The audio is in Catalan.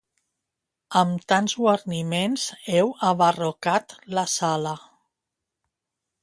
Amb tants guarniments heu abarrocat la sala.